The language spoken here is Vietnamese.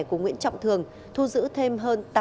của nguyễn trọng thường thu giữ thêm hơn